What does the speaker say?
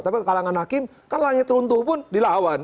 tapi kalau di kalangan hakim kan lagi teruntuh pun dilawan